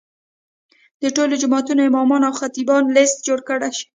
د ټولو جوماتونو امامانو او خطیبانو لست جوړ شي.